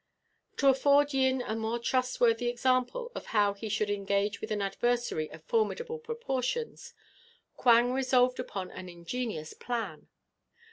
To afford Yin a more trustworthy example of how he should engage with an adversary of formidable proportions, Quang resolved upon an ingenious plan.